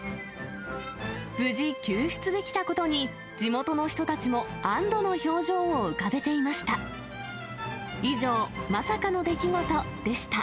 無事救出できたことに、地元の人たちも安どの表情を浮かべていました。